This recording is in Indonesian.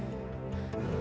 gak ada apa